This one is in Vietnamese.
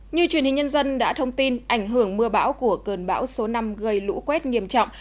như truyền hình nhân dân đã thông tin ảnh hưởng mưa bão của cơn bão số năm gây lũ quét nghiêm trọng